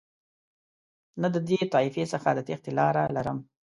نه د دې طایفې څخه د تېښتې لاره لرم.